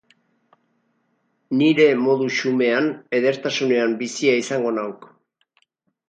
Nire modu xumean edertasunean bizia izango nauk.